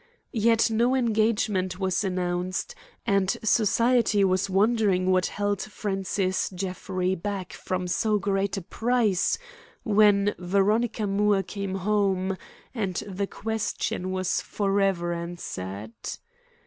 Yet no engagement was announced, and society was wondering what held Francis Jeffrey back from so great a prize, when Veronica Moore came home, and the question was forever answered.